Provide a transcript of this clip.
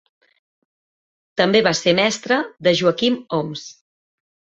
També va ser mestre de Joaquim Homs.